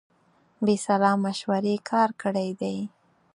بې سلا مشورې کار کړی دی.